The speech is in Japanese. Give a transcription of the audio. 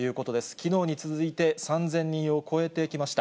きのうに続いて３０００人を超えてきました。